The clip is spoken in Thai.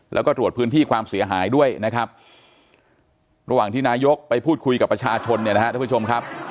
แล้วก็ตรวจพื้นที่ความเสียหายด้วยนะครับระหว่างที่นายกไปพูดคุยกับประชาชนเนี่ยนะครับท่านผู้ชมครับ